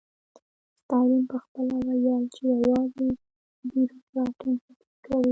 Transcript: ستالین پخپله ویل چې یوازې بیروکراټان فکر کوي